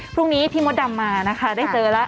พรุ่งนี้พี่มดดำมานะคะได้เจอแล้ว